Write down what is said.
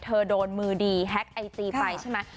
เธอโดนมือดีแฮกไอจีไปใช่มั้ย